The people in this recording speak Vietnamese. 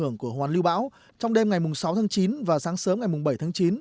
ở hoàn lưu bão trong đêm ngày sáu tháng chín và sáng sớm ngày bảy tháng chín